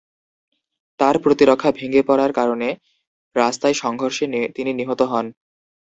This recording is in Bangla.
তার প্রতিরক্ষা ভেঙ্গে পড়ার কারণে রাস্তায় সংঘর্ষে তিনি নিহত হন।